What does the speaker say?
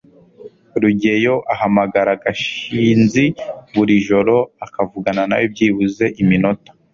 rugeyo ahamagara gashinzi buri joro akavugana nawe byibuze iminota